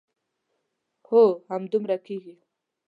هو همدومره کېږي.